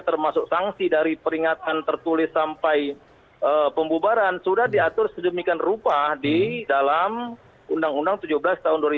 termasuk sanksi dari peringatan tertulis sampai pembubaran sudah diatur sedemikian rupa di dalam undang undang tujuh belas tahun dua ribu dua